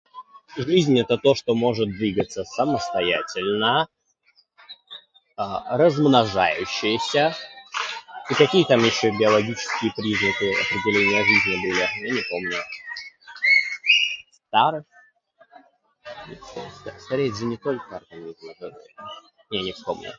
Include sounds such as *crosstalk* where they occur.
Жизнь - это то, что может двигаться самостоятельно. А, размножающееся. И какие там ещё биологические признаки у определения жизни были? Я не помню? Старость? Ск- ск- скорее. *unintelligible* Не, не вспомню.